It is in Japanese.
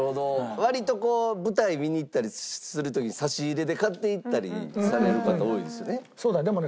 割と舞台見に行ったりする時差し入れで買っていったりされる方多いですよね。